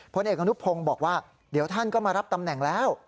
ผลเอกอนุพงศ์บอกว่าเดี๋ยวท่านก็มารับตำแหน่งแล้ว